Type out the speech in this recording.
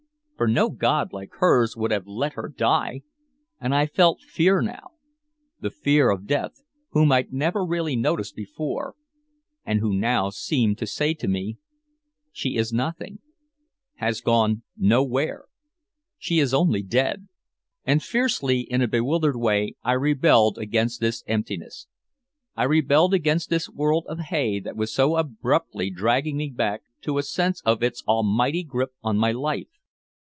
For no god like hers would have let her die! And I felt fear now, the fear of Death, whom I'd never really noticed before and who now seemed to say to me, "She is nothing has gone nowhere she is only dead!" And fiercely in a bewildered way I rebelled against this emptiness. I rebelled against this world of hay that was so abruptly dragging me back to a sense of its almighty grip on my life.